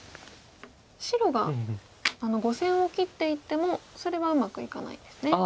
白が５線を切っていってもそれはうまくいかないんですね。